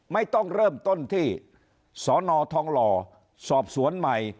ไม่ต้องเริ่มต้นที่สนทองหล่อสอบสวนใหม่